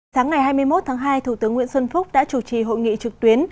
sáng ngày hai mươi một tháng hai thủ tướng nguyễn xuân phúc đã chủ trì hội nghị trực tuyến